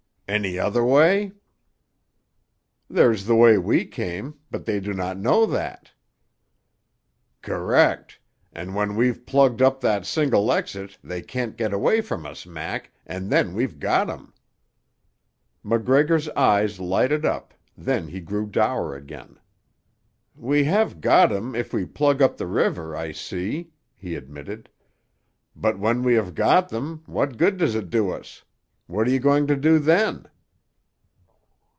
"Any other way?" "There's the way we came—but they do not know that." "Correct, and when we've plugged up that single exit they can't get away from us, Mac, and then we've got 'em!" MacGregor's eyes lighted up, then he grew dour again. "We have got 'em, if we plug up the river, I see," he admitted, "but when we have got them, what good does it do us? What are you going to do, then?"